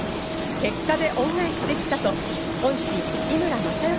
結果で恩返しできたと、恩師・井村雅代